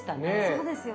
そうですよね。